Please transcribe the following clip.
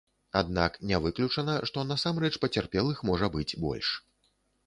Аднак не выключана, што насамрэч пацярпелых можа быць больш.